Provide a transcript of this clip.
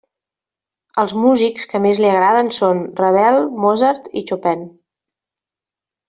Els músics que més li agraden són Ravel, Mozart i Chopin.